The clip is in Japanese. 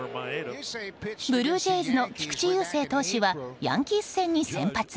ブルージェイズの菊池雄星投手はヤンキース戦に先発。